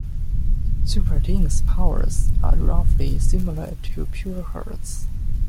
Superteen's powers are roughly similar to Pureheart's.